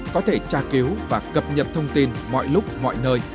có thể tra cứu và cập nhật thông tin mọi lúc mọi nơi